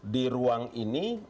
di ruang ini